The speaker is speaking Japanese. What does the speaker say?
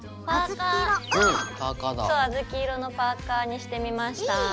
あずき色のパーカーにしてみました。